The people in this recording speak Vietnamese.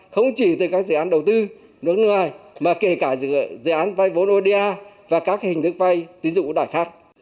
không chỉ từ các dự án đầu tư nước ngoài mà kể cả dự án vay vốn oda và các hình thức vay tín dụng ưu đại khác